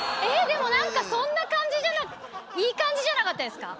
でも何かそんな感じじゃなかっいい感じじゃなかったですか？